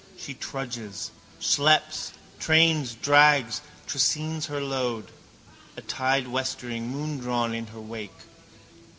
She trudges, schlepps, trains, drags, trascines her load. A tide westering, moondrawn, in her wake.